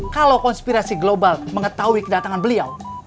kalau konspirasi global mengetahui kedatangan beliau